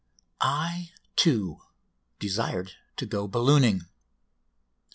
I, too, desired to go ballooning.